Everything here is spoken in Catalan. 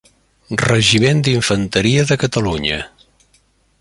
Regiment d'Infanteria de Catalunya.